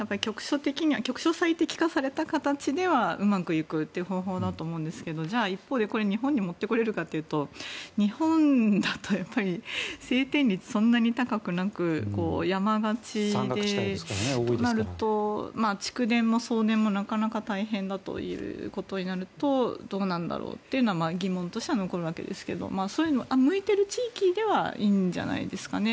局所最適化された形ではうまくいくっていう方法だと思うんですがじゃあ一方で日本にこれを持ってこれるかというと日本だとやっぱり晴天率、そんなに高くなく山がちでとなると蓄電も送電もなかなか大変だということになるとどうなんだろうというのは疑問としては残るわけですけどそういうのに向いている地域ではいいんじゃないですかね。